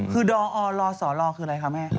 คือดอลสลคืออะไรคะแม่